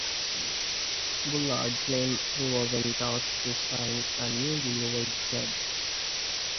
Bullard claimed he was in talks to sign a new deal with the club.